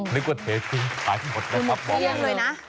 นึกว่าเททิ้งขายหมดนะครับมองดู